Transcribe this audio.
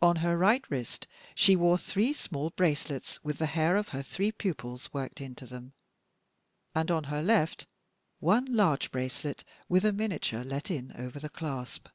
On her right wrist she wore three small bracelets, with the hair of her three pupils worked into them; and on her left, one large bracelet with a miniature let in over the clasp.